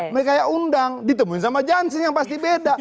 mereka yang undang ditemuin sama janssen yang pasti beda